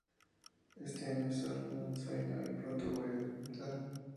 Este es solo un sueño, y pronto voy a despertar.